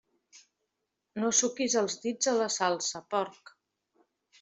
No suquis els dits a la salsa, porc!